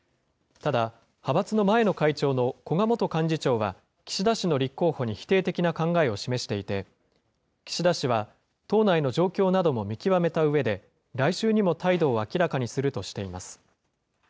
ただ、派閥の前の会長の古賀元幹事長は、岸田氏の立候補に否定的な考えを示していて、岸田氏は党内の状況なども見極めたうえで、来週にも態度を明らかにするとしています。